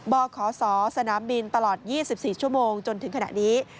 บขศสนามบินตลอด๒๔ชั่วโมงจนถึงขณะนี้